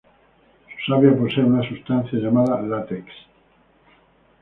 Su savia posee una sustancia llamada látex.